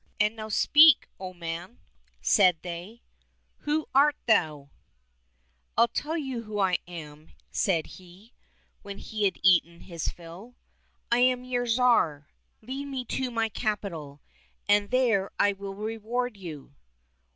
" And now speak, O man !" said they ;'' who art thou ?"—*' I'll tell you who I am," said he, when he had eaten his fill ; "I am your Tsar. Lead me to my capital, and there I will reward you